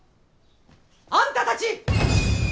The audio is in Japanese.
あんたたち！